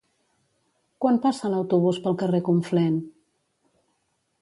Quan passa l'autobús pel carrer Conflent?